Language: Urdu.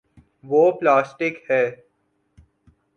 وہ پلاسٹک ہے۔